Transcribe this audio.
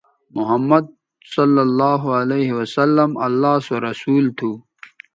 محمدؐ اللہ سو رسول تھو